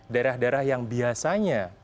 daerah daerah yang biasanya